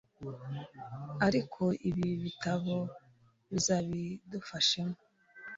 ariko ibi bitabo bizabidufashamo